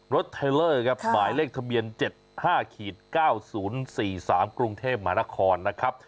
เทลเลอร์ครับหมายเลขทะเบียน๗๕๙๐๔๓กรุงเทพมหานครนะครับ